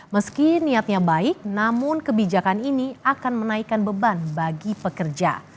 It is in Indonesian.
meski niatnya baik namun kebijakan ini akan menaikkan beban bagi pekerja